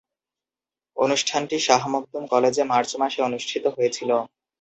অনুষ্ঠানটি শাহ মখদুম কলেজে মার্চ মাসে অনুষ্ঠিত হয়েছিলো।